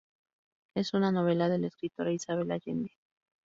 Es una novela de la escritora Isabel Allende.